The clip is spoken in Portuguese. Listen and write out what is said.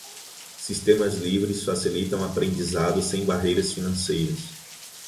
Sistemas livres facilitam aprendizado sem barreiras financeiras.